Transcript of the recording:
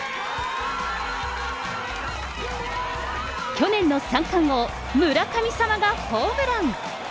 去年の三冠王、村神様がホームラン。